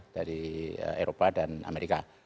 dari eropa dan amerika